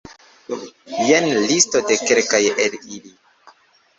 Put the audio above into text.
Jen listo de kelkaj el ili.